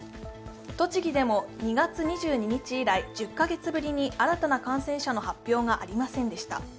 栃木でも２月２２日以来１０カ月ぶりに新たな感染者の発表がありませんでした。